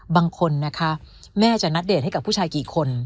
บางคนนะคะแม่จะนัดเดตให้กับผู้ชายกี่คน